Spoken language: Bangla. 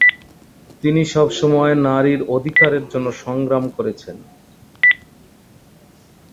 তিনি সবসময় নারীর অধিকারের জন্য সংগ্রাম করেছেন।